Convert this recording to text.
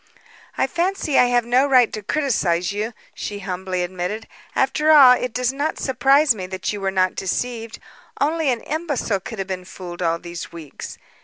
"I fancy I have no right to criticise you," she humbly admitted. "After all, it does not surprise me that you were not deceived. Only an imbecile could have been fooled all these weeks.